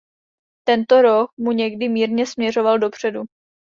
Tento roh mu někdy mírně směřoval dopředu.